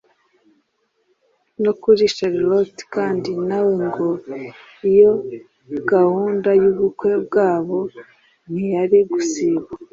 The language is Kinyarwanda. no kuri charlotte kandi na we ngo iyo gahunda y’ubukwe bwabo ntiyari gusiba